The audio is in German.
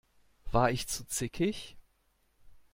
War ich zu zickig?